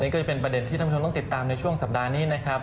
ก็จะเป็นประเด็นที่ท่านผู้ชมต้องติดตามในช่วงสัปดาห์นี้นะครับ